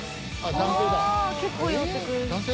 うわ結構寄ってくれる。